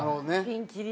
ピンキリ。